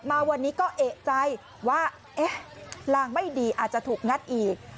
มาวันนี้ก็เอกใจว่าเอ๊ะลางไม่ดีอาจจะถูกงัดอีก